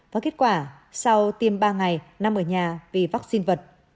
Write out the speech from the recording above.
và kết quả sau tiêm ba ngày nằm ở nhà vì vaccine vật